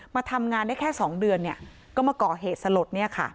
มาทำงานได้แค่๒เดือนก็มาก่อเหตุสลด